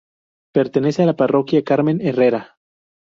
Pertenece a la parroquia Carmen Herrera.